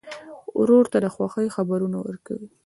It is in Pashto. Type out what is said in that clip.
ورور ته د خوښۍ خبرونه ورکوې.